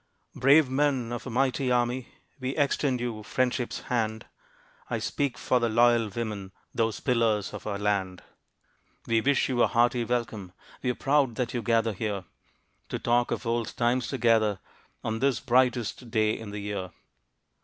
Brave men of a mighty army, We extend you friendship's hand! I speak for the "Loyal Women," Those pillars of our land. We wish you a hearty welcome, We are proud that you gather here To talk of old times together On this brightest day in the year.